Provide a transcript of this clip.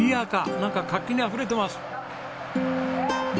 なんか活気にあふれてます！